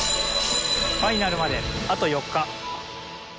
ファイナルまであと４日。